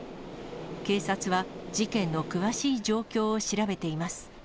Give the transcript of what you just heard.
警察は事件の詳しい状況を調べています。